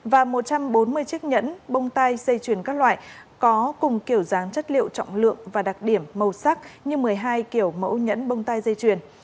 và một trăm bốn mươi chiếc nhẫn bông tai dây chuyền các loại có cùng kiểu dáng chất liệu trọng lượng và đặc điểm màu sắc như một mươi hai kiểu mẫu nhẫn bông tai dây chuyền